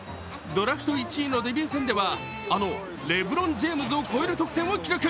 ドラフト１位のデビュー戦ではあのレブロン・ジェームズを超える得点を記録。